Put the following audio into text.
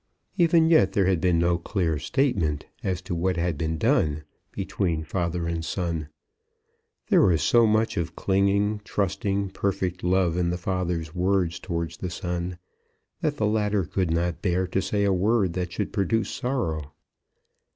Even yet there had been no clear statement as to what had been done between father and son. There was so much of clinging, trusting, perfect love in the father's words towards the son, that the latter could not bear to say a word that should produce sorrow.